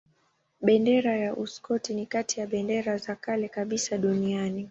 Bendera ya Uskoti ni kati ya bendera za kale kabisa duniani.